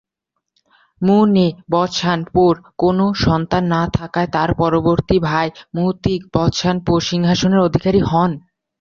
মু-নে-ব্ত্সান-পোর কোন সন্তান না থাকায় তার পরবর্তী ভাই মু-তিগ-ব্ত্সান-পো সিংহাসনের উত্তরাধিকারী হন।